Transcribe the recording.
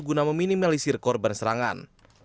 guna meminimalisir korban serangan